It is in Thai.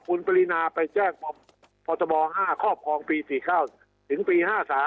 คุณปรินาไปแจ้งพทบ๕ครอบครองปี๔๙ถึงปี๕๓